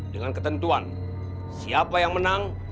dengan ketentuan siapa yang menang